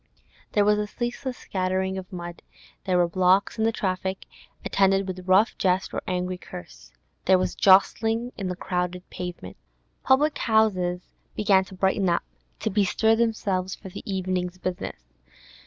There was a ceaseless scattering of mud; there were blocks in the traffic, attended with rough jest or angry curse; there was jostling on the crowded pavement. Public houses began to brighten up, to bestir themselves for the evening's business.